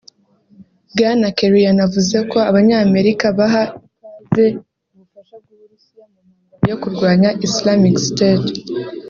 Bwana Kerry yanavuze ko Abanyamerika baha ikaze ubufasha bw’Uburusiya mu ntambara yo kurwanya Islamic State